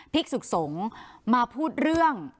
ภิกษุกษงมาพูดเรื่อง